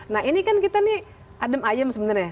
nah ini kan kita nih adem ayem sebenarnya